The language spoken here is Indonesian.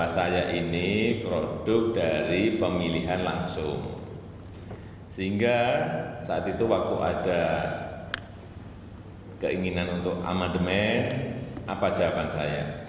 saya ini produk dari pemilihan langsung sehingga saat itu waktu ada keinginan untuk amandemen apa jawaban saya